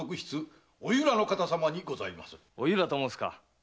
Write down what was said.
お由良と申すか。